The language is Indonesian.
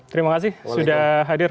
terima kasih sudah hadir